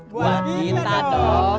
buat kita dong